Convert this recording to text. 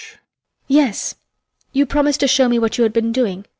Yes, you promised to show me what you had been doing.